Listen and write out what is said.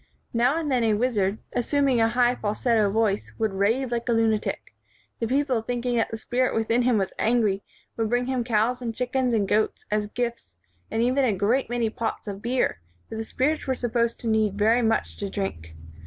Now and then a wizard, assuming a high fal setto voice, would rave like a lunatic. The people thinking that the spirit within him was angry, would bring him cows and chick ens and goats as gifts and even a great many pots of beer, for the spirits were supposed to need very much to drink.